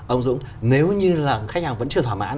ông dũng nếu như là khách hàng vẫn chưa thỏa mãn